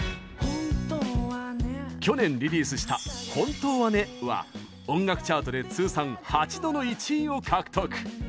去年リリースした「本当はね、」は音楽チャートで通算８度の１位を獲得。